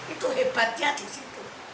itu hebatnya di situ